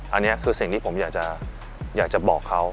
อันนี้คือสิ่งที่ผมอยากจะบอกเขา